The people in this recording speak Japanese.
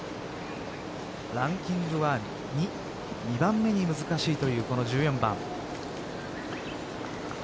ランキングは２２番目に難しいという１４番。